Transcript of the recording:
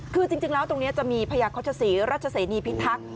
คือจริงแล้วตรงนี้จะมีพญาโฆษศรีรัชเสนีพิทักษ์